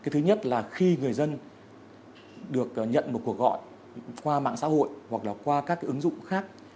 thứ nhất là khi người dân được nhận một cuộc gọi qua mạng xã hội hoặc là qua các ứng dụng khác